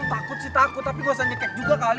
eh takut sih takut tapi gue bisa nyikek juga kali